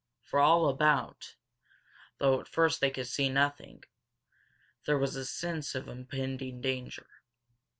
For all about, though at first they could see nothing, there was the sense of impending danger.